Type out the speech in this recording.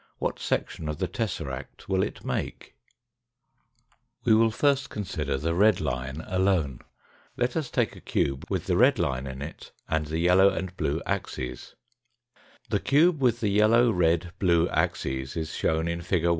What section of the tesseract will it make ? We will first consider the red line alone. Let us take a cube with the red line in it and the yellow and blue axes. ON THE FIGURES 191 Red Yellow Blue Null The cube with the yellow, red, blue axes is shown in fig.